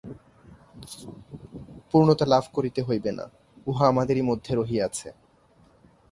পূর্ণতা লাভ করিতে হইবে না, উহা আমাদের মধ্যেই রহিয়াছে।